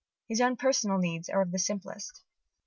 His own personal needs are of the simplest.